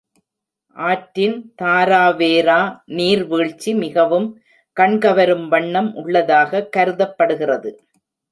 ஆற்றின் தாராவேரா நீர்வீழ்ச்சி மிகவும் கண்கவரும் வண்ணம் உள்ளதாக கருதப்படுகிறது.